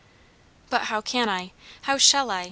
"But how can I? how shall I?